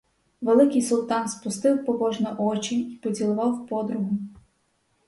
Великий султан спустив побожно очі й поцілував подругу.